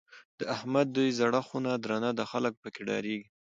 د احمد دی زړه خونه درنه ده؛ خلګ په کې ډارېږي.